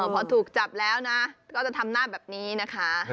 พอถูกจับแล้วนะก็จะทำหน้าแบบนี้นะคะ